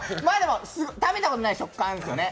食べたことない食感ですよね。